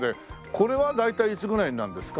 これは大体いつぐらいになるんですか？